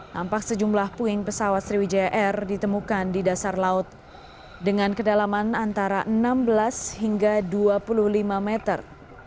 nampak sejumlah puing pesawat sriwijaya air ditemukan di dasar laut dengan kedalaman antara enam belas hingga dua puluh lima meter